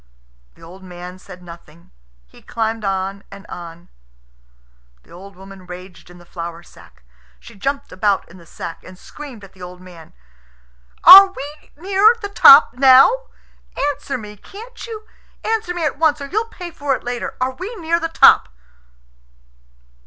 The old man said nothing; he climbed on and on. The old woman raged in the flour sack. She jumped about in the sack, and screamed at the old man, "Are we near the top now? Answer me, can't you! Answer me at once, or you'll pay for it later. Are we near the top?"